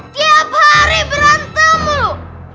tiap hari berantem mulu